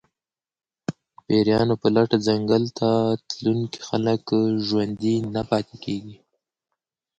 د پېریانو په لټه ځنګل ته تلونکي خلک ژوندي نه پاتې کېږي.